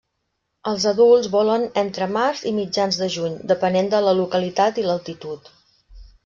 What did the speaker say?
Els adults volen entre març i mitjans de juny, depenent de la localitat i l'altitud.